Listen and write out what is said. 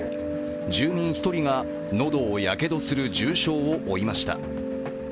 住民１人が喉をやけどする重傷を負いました。